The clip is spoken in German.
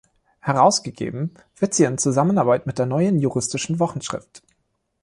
Herausgegeben wird sie in Zusammenarbeit mit der Neuen Juristischen Wochenschrift.